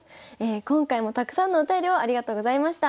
今回もたくさんのお便りをありがとうございました。